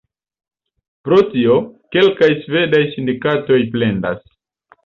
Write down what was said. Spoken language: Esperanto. Pro tio, kelkaj svedaj sindikatoj plendas.